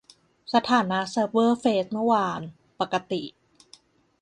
สถานะเซิร์ฟเวอร์เฟซเมื่อวาน : ปกติ